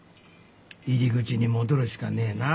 入り口に戻るしかねえな。